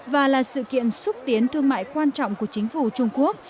và là sự kiện xúc tiến thương mại quan trọng của chính phủ trung quốc